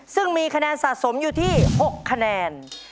ซึ่งมีคะแนนสะสมอยู่ที่๖คะแนน